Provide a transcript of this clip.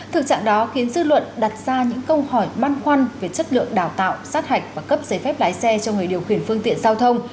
thực trạng đó khiến dư luận đặt ra những câu hỏi băn khoăn về chất lượng đào tạo sát hạch và cấp giấy phép lái xe cho người điều khiển phương tiện giao thông